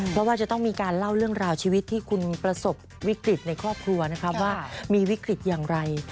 เพราะว่าจะต้องมีการเล่าเรื่องราวชีวิตที่คุณประสบวิกฤตในครอบครัวนะครับว่ามีวิกฤตอย่างไร